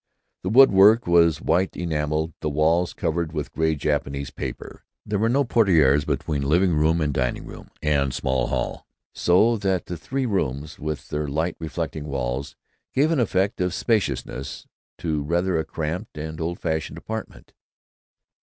The wood work was white enameled; the walls covered with gray Japanese paper. There were no portières between living room and dining room and small hall, so that the three rooms, with their light reflecting walls, gave an effect of spaciousness to rather a cramped and old fashioned apartment.